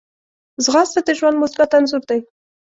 ځغاسته د ژوند مثبت انځور دی